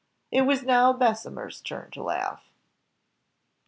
It was now Bessemer's turn to laugh.